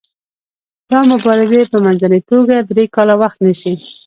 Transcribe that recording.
دا مبارزې په منځنۍ توګه درې کاله وخت نیسي.